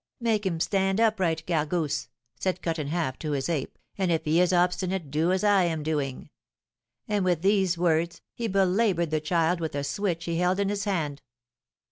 'Make him stand upright, Gargousse!' said Cut in Half to his ape, 'and if he is obstinate do as I am doing;' and with these words he belaboured the child with a switch he held in his hand.